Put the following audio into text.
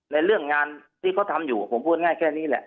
เรื่องงานที่เขาทำอยู่ผมพูดง่ายแค่นี้แหละ